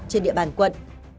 trên địa bàn quận